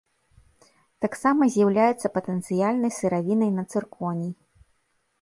Таксама з'яўляецца патэнцыяльнай сыравінай на цырконій.